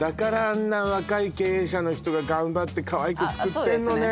あんな若い経営者の人が頑張ってかわいく作ってんのね